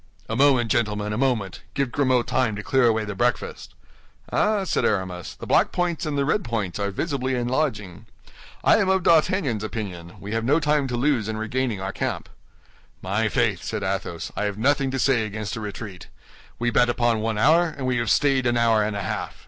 "A moment, gentlemen, a moment; give Grimaud time to clear away the breakfast." "Ah, ah!" said Aramis, "the black points and the red points are visibly enlarging. I am of D'Artagnan's opinion; we have no time to lose in regaining our camp." "My faith," said Athos, "I have nothing to say against a retreat. We bet upon one hour, and we have stayed an hour and a half.